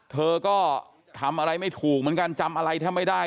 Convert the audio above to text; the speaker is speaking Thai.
เธอก็ทำอะไรไม่ถูกเหมือนกันจำอะไรแทบไม่ได้